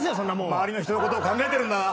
周りの人のこと考えてるんだな。